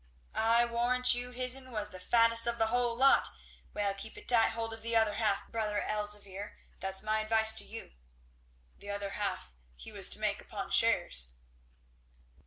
"I warrant you his'n was the fattest of the whole lot. Well, keep a tight hold of the other half, brother Elzevir, that's my advice to you." "The other half he was to make upon shares."